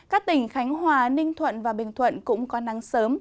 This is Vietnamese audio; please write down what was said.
các tỉnh khánh hòa ninh thuận và bình thuận cũng có nắng sớm